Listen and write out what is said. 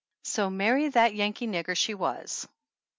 So marry that Yankee nigger she was